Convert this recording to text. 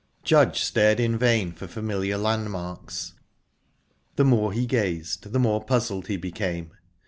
Judge stared in vain for familiar landmarks the more he gazed, the more puzzled he became.